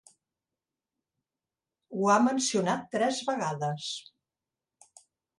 Ho ha mencionat tres vegades.